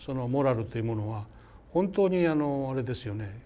モラルというものは本当にあれですよね